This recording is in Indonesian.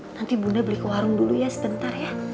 nanti bunda beli ke warung dulu ya sebentar ya